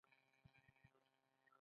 کور د راتلونکي نسل د ودې ځای دی.